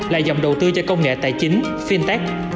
là dòng đầu tư cho công nghệ tài chính fintech